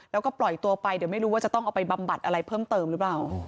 แล้วก็ปล่อยตัวไปเดี๋ยวไม่รู้ว่าจะต้องเอาไปบำบัดอะไรเพิ่มเติมหรือเปล่า